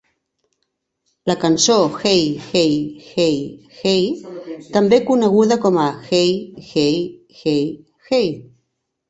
La cançó "Hey-Hey-Hey-Hey", també coneguda com a "Hey-Hey-Hey-Hey!"